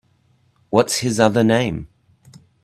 What’s his other name?